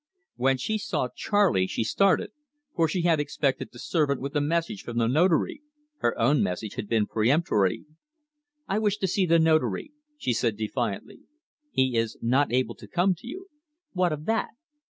When she saw Charley she started, for she had expected the servant with a message from the Notary her own message had been peremptory. "I wish to see the Notary," she said defiantly. "He is not able to come to you." "What of that?"